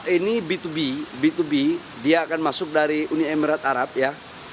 ini b dua b b dua b dia akan masuk dari uni emirat arab ya